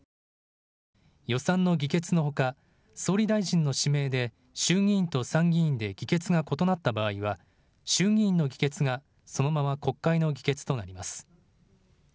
予算の議決のほか総理大臣の指名で衆議院と参議院で議決が異なった場合は衆議院の議決がそのまま国会の議決となります。